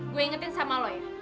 gua ingetin sama lu ya